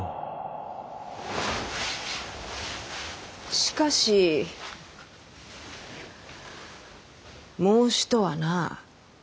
しかし孟子とはな。